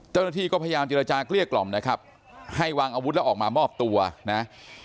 เจ้าหน้าที่ก็พยายามเจรจาเกลี้ยกล่อมนะครับให้วางอาวุธแล้วออกมามอบตัวนะ